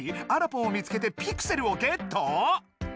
「あらぽん」を見つけてピクセルをゲット